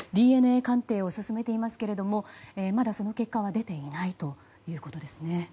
ＤＮＡ鑑定を進めていますがまだ、その結果は出ていないということですね。